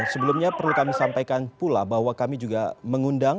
sebelumnya perlu kami sampaikan pula bahwa kami juga mengundang